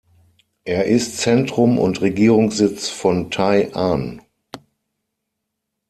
Er ist Zentrum und Regierungssitz von Tai’an.